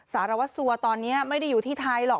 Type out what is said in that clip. สารวัสสัวตอนนี้ไม่ได้อยู่ที่ไทยหรอก